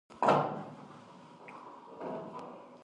داسې څېرې د ملت فکري حافظه ژوندۍ ساتي.